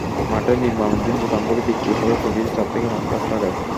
মাঠে নির্মাণাধীন দোকানগুলো বিক্রি হবে প্রতিটি চার থেকে পঁাচ লাখ টাকায়।